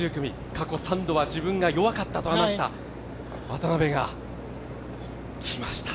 過去３度は自分が弱かったと話した渡邉が、きました。